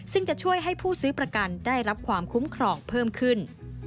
ซึ่งจะช่วยให้ผู้ซื้อประกันได้รับความคุ้มครองเพิ่มขึ้น